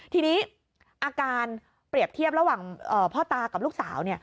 ทีนี้อาการเปรียบเทียบระหว่างพ่อตากับลูกสาว